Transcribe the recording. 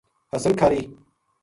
حسن کھاہری